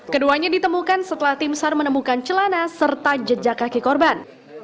keduanya ditemukan setelah tim sar menemukan celana serta jejak kaki korban